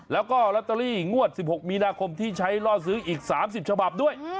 แล้วก็ลอตเตอรี่งวด๑๖มีนาคมที่ใช้ล่อซื้ออีก๓๐ฉบับด้วย